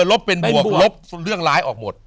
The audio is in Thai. ลบเป็นบวกลบเรื่องร้ายออกหมด